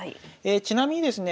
ちなみにですね